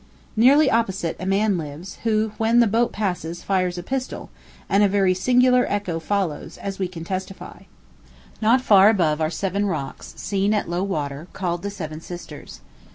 Nearly opposite, a man lives, who, when the boat passes, fires a pistol, and a very singular echo follows, as we can testify. Not far above are seven rocks, seen at low water, called the Seven Sisters.